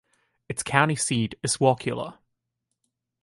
Its county seat is Wauchula.